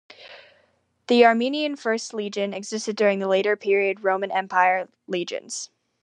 The Armenian First Legion existed during the later period Roman empire legions.